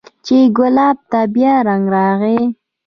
چې ګلاب ته بيا زنګ راغى.